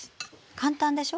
簡単でしょ？